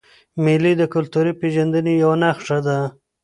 مېلې د کلتوري پیژندني یوه نخښه ده.